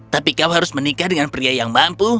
tapi kau harus menikah dengan pria yang mampu